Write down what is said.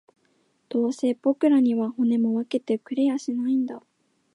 どうせ僕らには、骨も分けてくれやしないんだ